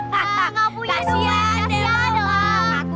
tak tak tak